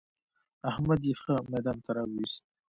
احمد يې ښه ميدان ته را ويوست.